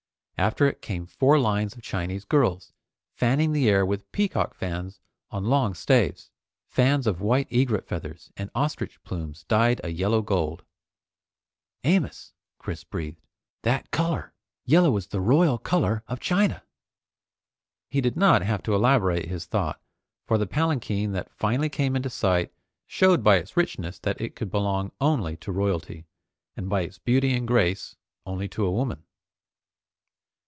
After it came four lines of Chinese girls, fanning the air with peacock fans on long staves, fans of white egret feathers, and ostrich plumes dyed a yellow gold. "Amos!" Chris breathed, "That color! Yellow is the royal color of China!" He did not have to elaborate his thought, for the palanquin that finally came in sight showed by its richness that it could belong only to royalty, and by its beauty and grace, only to a woman.